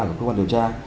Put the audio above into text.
của cơ quan điều tra